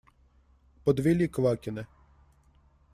Подвели Квакина.